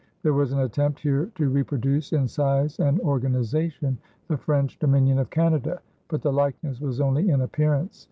There was an attempt here to reproduce, in size and organization, the French Dominion of Canada, but the likeness was only in appearance.